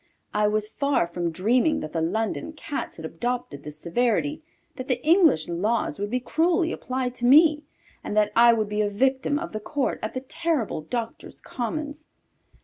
I was far from dreaming that the London Cats had adopted this severity, that the English laws would be cruelly applied to me, and that I would be a victim of the court at the terrible Doctors' Commons.